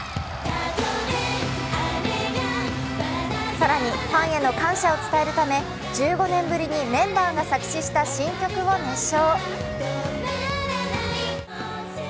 更に、ファンへの感謝を伝えるため、１５年ぶりにメンバーが作詞した新曲を熱唱。